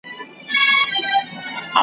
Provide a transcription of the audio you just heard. په کړوپه ملا به ورسره ناڅم .